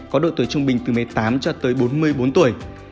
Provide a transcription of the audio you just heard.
có độ tuổi trung bình từ một mươi tám cho tới bốn mươi bốn tuổi